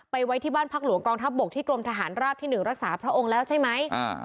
ไว้ที่บ้านพักหลวงกองทัพบกที่กรมทหารราบที่๑รักษาพระองค์แล้วใช่ไหม